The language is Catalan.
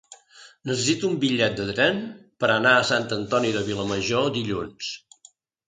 Necessito un bitllet de tren per anar a Sant Antoni de Vilamajor dilluns.